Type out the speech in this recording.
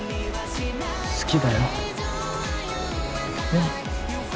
好きだよえっ？